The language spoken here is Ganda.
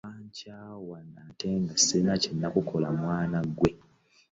Wankyawa ate nga ssirina kye nakukola mwana ggwe.